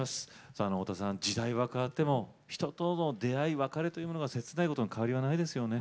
さあ太田さん時代は変わっても人との出会い別れというものは切ないことに変わりはないですよね。